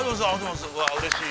◆うれしい。